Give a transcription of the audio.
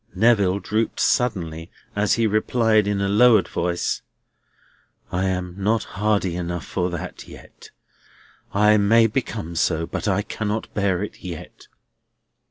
Neville drooped suddenly, as he replied in a lowered voice: "I am not hardy enough for that, yet. I may become so, but I cannot bear it yet.